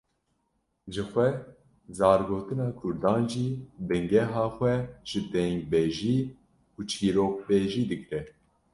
Ji xwe zargotina Kurdan jî bingeha xwe ji dengbêjî û çîrokbêjî digre